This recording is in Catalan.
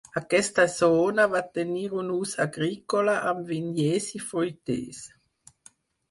Aquesta zona va tenir un ús agrícola amb vinyers i fruiters.